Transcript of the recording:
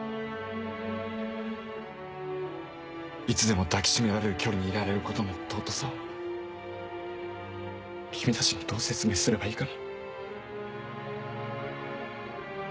いつでも抱き締められる距離にいられることの尊さを君たちにどう説明すればいいかな。